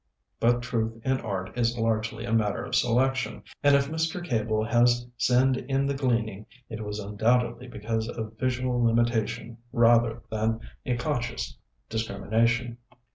But truth in art is largely a matter of selection; and if Mr. Cable has sinned in the gleaning, it was undoubtedly because of visual limitation, rather than a conscious discrimination.